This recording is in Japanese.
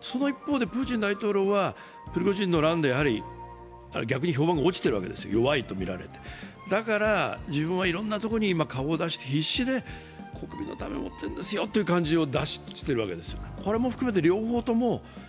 その一方でプーチン大統領はプリゴジンの乱で逆に評判が落ちているわけですよ、弱いと見られてだから、自分はいろんなところに顔を出して、必死で国民のためを思ってるんですよという感じを出しているわけですよ。